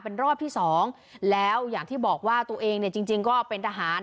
เป็นรอบที่สองแล้วอย่างที่บอกว่าตัวเองเนี่ยจริงจริงก็เป็นทหาร